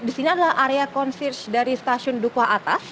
di sini adalah area konsirge dari stasiun dukuh atas